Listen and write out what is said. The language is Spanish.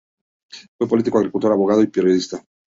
Fue político, agricultor, abogado y periodista.